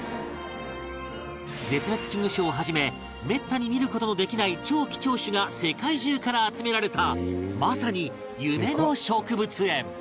絶滅危惧種をはじめめったに見る事のできない超貴重種が世界中から集められたまさに夢の植物園